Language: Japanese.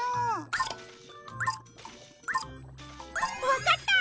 わかった！